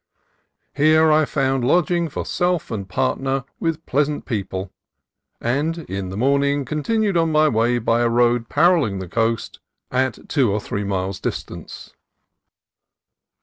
Here I found lodging for self and partner with pleasant people, and in the morning continued on my way by a road paralleling the coast at two or three miles' distance.